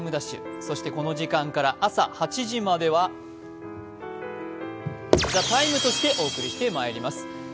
そしてこの時間から朝８時までは「ＴＨＥＴＩＭＥ，」としてお送りしてまいります。